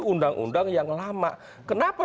undang undang yang lama kenapa